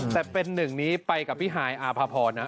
แต่เป็นหนึ่งนี้ไปกับพี่ฮายอาภาพรนะ